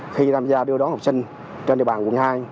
khi tham gia đưa đón học sinh trên địa bàn quận hai